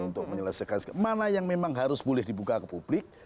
untuk menyelesaikan mana yang memang harus boleh dibuka ke publik